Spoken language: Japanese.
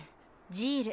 ジール。